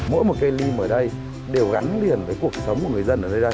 mỗi một cây lim ở đây đều gắn liền với cuộc sống của người dân ở đây